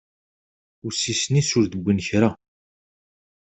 Ussisen-is ur d-wwin kra.